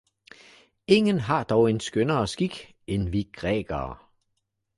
Ingen har dog en skønnere skik, end vi grækere